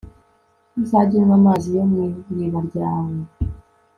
uzajye unywa amazi yo mu iriba ryawe